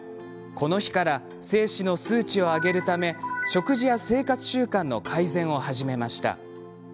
この日から精子の数値を上げるため食事や生活習慣の改善を始めました。